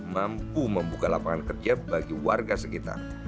mampu membuka lapangan kerja bagi warga sekitar